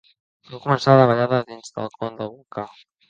Van començar la davallada dins del con del volcà.